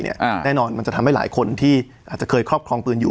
แน่นอนมันจะทำให้หลายคนที่อาจจะเคยครอบครองปืนอยู่